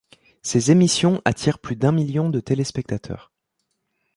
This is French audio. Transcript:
Ces émissions attirent plus d'un million de téléspectateurs.